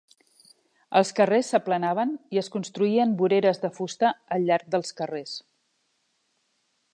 Els carrers s'aplanaven i es construïen voreres de fusta al llarg dels carrers.